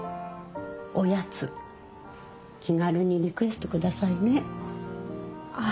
おやつ気軽にリクエスト下さいね。